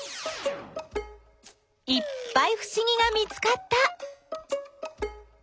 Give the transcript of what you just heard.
いっぱいふしぎが見つかった！